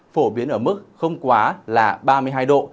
phổ biến ở mức không quá là ba mươi hai độ